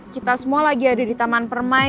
kita semua lagi ada di taman permai